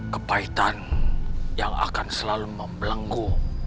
kepahitan yang akan selalu membelenggu